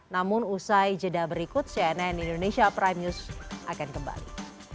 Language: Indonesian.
namun usai jeda berikut cnn indonesia prime news akan kembali